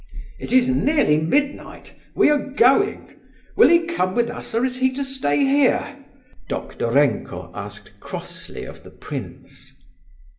"It is nearly midnight; we are going. Will he come with us, or is he to stay here?" Doktorenko asked crossly of the prince.